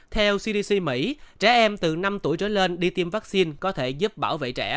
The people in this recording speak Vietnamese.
theo cdc mỹ trẻ em từ năm tuổi trở lên đi tiêm vaccine có thể giúp bảo vệ trẻ